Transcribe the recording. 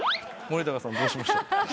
森高さんどうしました？